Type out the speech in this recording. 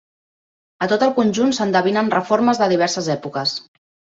A tot el conjunt s'endevinen reformes de diverses èpoques.